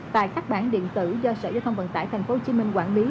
tại các bản điện tử do sở giao thông vận tải tp hcm quản lý